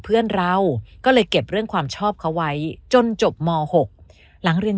เพื่อนเราก็เลยเก็บเรื่องความชอบเขาไว้จนจบม๖หลังเรียน